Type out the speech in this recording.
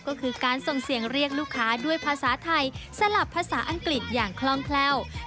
ก็คือการส่งเสียงเรียกลูกค้าด้วยภาษาไทยสลับภาษาอังกฤษอย่างคล่องแคล่ว